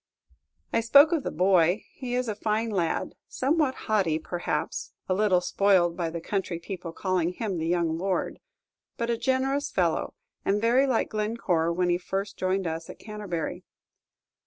I spoke of the boy; he is a fine lad, somewhat haughty, perhaps; a little spoiled by the country people calling him the young lord; but a generous fellow, and very like Glencore when he first joined us at Canterbury.